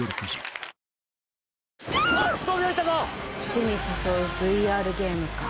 死に誘うＶＲゲームか。